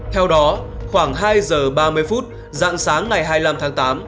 theo đó khoảng hai giờ ba mươi phút dạng sáng ngày hai mươi năm tháng tám